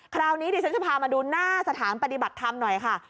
คราวนี้ดิฉันจะพามาดูหน้าสถานปฏิบัติธรรมหน่อยค่ะ